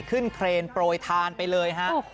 ขึ้นเคลนโปรยธานไปเลยฮะ